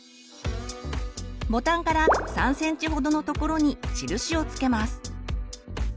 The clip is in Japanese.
ボタンから３ｃｍほどのところに印を付けます。